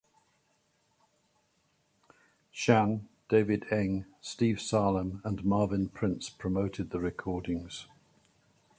Shan, David Eng, Steve Salem, and Marvin Prince promoted the recordings.